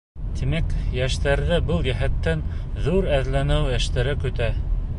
Тимәк, йәштәрҙе был йәһәттән ҙур эҙләнеү эштәре көтә.